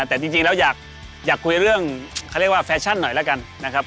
แต่จริงแล้วอยากคุยเรื่องเขาเรียกว่าแฟชั่นหน่อยแล้วกันนะครับ